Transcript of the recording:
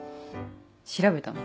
調べたの？